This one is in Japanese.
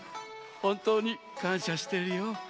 ほんとうにかんしゃしてるよ。